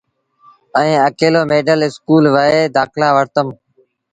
ائيٚݩ اڪيلو ميڊل اسڪول وهي دآکلآ وٺتم۔